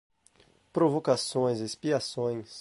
Provações e expiações